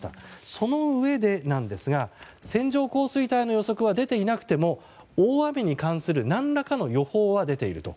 そのうえで、線状降水帯の予測は出ていなくても大雨に関する何らかの予報は出ていると。